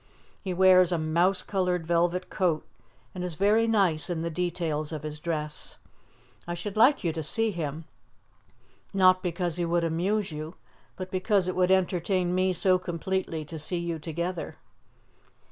He wears a mouse coloured velvet coat, and is very nice in the details of his dress. I should like you to see him not because he would amuse you, but because it would entertain me so completely to see you together.